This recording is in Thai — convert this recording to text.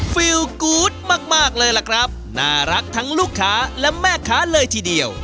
ฟิลกู๊ดมากมากเลยล่ะครับน่ารักทั้งลูกค้าและแม่ค้าเลยทีเดียว